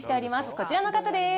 こちらの方です。